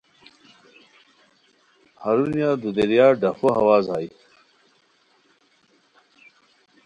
ہرونیہ دودیریار ڈفو ہواز ہائے